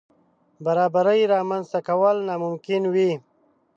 برابرۍ رامنځ ته کول ناممکن وي.